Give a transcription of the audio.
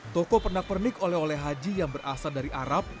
toko pernak pernik oleh oleh haji yang berasal dari arab